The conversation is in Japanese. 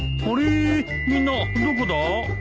みんなどこだ？